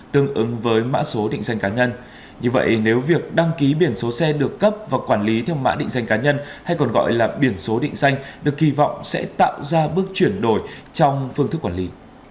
trường hợp biển số xe được cấp và quản lý theo mã định danh cá nhân hay còn gọi là biển số định danh được kỳ vọng sẽ tạo ra bước chuyển đổi trong phương thức quản lý